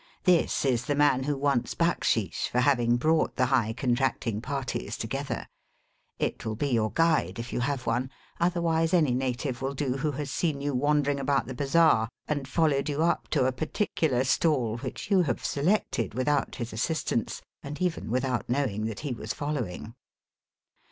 This is the man who wants backsheesh for having brought the high contracting parties together. It will be your guide if you have one. Other wise any native will do who has seen you wandering about the bazaar, and followed you Digitized by VjOOQIC THE HOLY CITY. ' 217 np to a particular stall which you have selected without his assistance, and even without knowing that he was following.